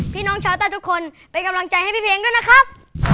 พี่น้องชาวใต้ทุกคนเป็นกำลังใจให้พี่เพลงด้วยนะครับ